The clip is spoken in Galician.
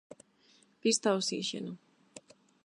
Pista Osíxeno.